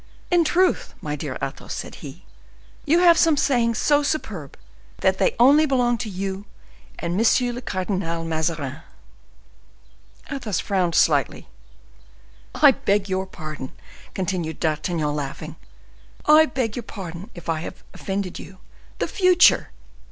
"In truth, my dear Athos," said he, "you have some sayings so superb, that they only belong to you and M. le Cardinal Mazarin." Athos frowned slightly. "I beg your pardon," continued D'Artagnan, laughing, "I beg your pardon if I have offended you. The future!